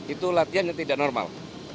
itu latihan yang tidak normal